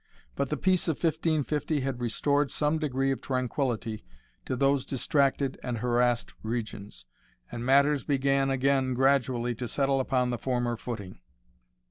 But the peace of 1550 had restored some degree of tranquillity to those distracted and harassed regions, and matters began again gradually to settle upon the former footing.